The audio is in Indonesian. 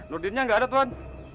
nurdinnya tidak ada tuhan